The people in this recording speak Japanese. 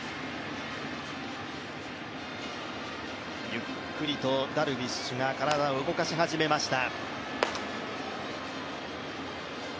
ゆっくりとダルビッシュが体を動かし始めました。